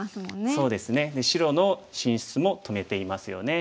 そうですね白の進出も止めていますよね。